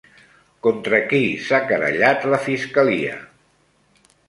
Contra qui s'ha querellat la fiscalia?